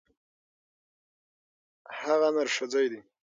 هغه نرښځی دی.